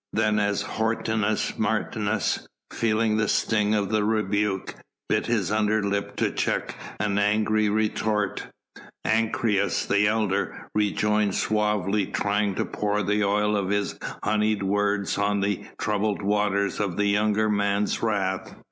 Then as Hortensius Martius, feeling the sting of the rebuke, bit his under lip to check an angry retort, Ancyrus, the elder, rejoined suavely, trying to pour the oil of his honeyed words on the troubled water of the younger man's wrath.